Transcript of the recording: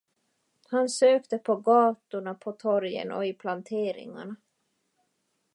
Han sökte på gatorna, på torgen och i planteringarna.